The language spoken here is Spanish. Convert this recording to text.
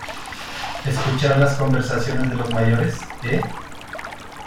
escuchar las conversaciones de los mayores? ¿ eh ?